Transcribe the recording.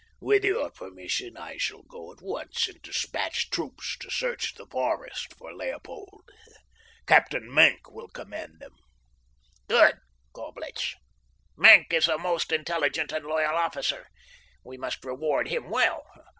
"With your permission, I shall go at once and dispatch troops to search the forest for Leopold. Captain Maenck will command them." "Good, Coblich! Maenck is a most intelligent and loyal officer. We must reward him well.